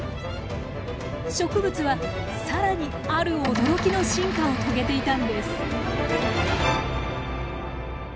植物は更にある驚きの進化を遂げていたんです。